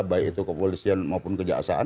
baik itu kepolisian maupun kejaksaan